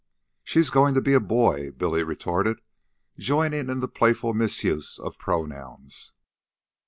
"SHE'S goin' to be a boy," Billy retorted, joining in the playful misuse of pronouns.